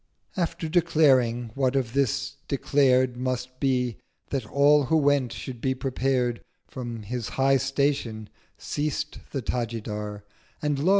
After declaring what of this declared Must be, that all who went should be prepared, From his high Station ceased the Tajidar— And lo!